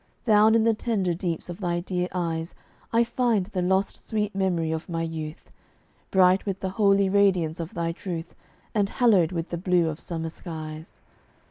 Down in the tender deeps of thy dear eyes I find the lost sweet memory of my youth, Bright with the holy radiance of thy truth, And hallowed with the blue of summer skies.